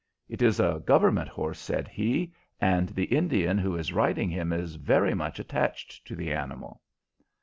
"It is a government horse," said he, "and the Indian who is riding him is very much attached to the animal."